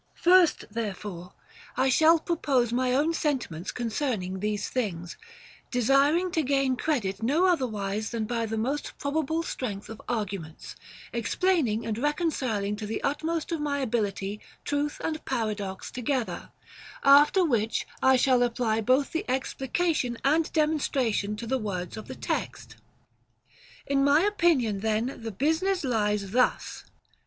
5. First therefore, I shall propose my own sentiments concerning these things, desiring to gain credit no other wise than by the most probable strength of arguments, explaining and reconciling to the utmost of my ability truth and paradox together ; after which I shall apply both the explication and demonstration to the words of the text. In my opinion then the business lies thus.